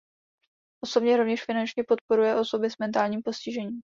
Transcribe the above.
Osobně rovněž finančně podporuje osoby s mentálním postižením.